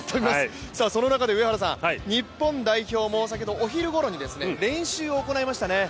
その中で日本代表も先ほど、お昼ごろに練習を行いましたね。